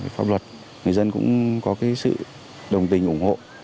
pháp luật người dân cũng có sự đồng tình ủng hộ